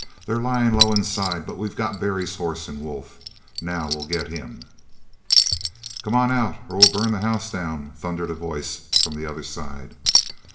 They're lying low inside, but we've got Barry's horse and wolf. Now we'll get him." "Come out or we'll burn the house down!" thundered a voice from the other side.